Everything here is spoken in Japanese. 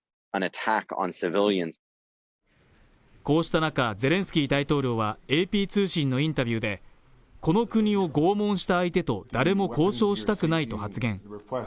こうした中、ゼレンスキー大統領はＡＰ通信のインタビューで、この国を拷問した相手と誰も交渉したくないと発言。